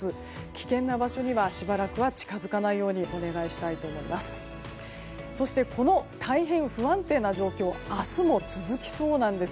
危険な場所にはしばらくは近づかないようにお願いしたいと思います。